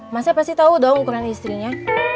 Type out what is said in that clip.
masnya pasti tau dong ukuran istrinya